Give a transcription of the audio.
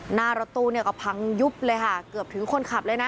หน้ารถตู้เนี่ยก็พังยุบเลยค่ะเกือบถึงคนขับเลยนะ